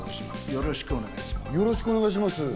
よろしくお願いします。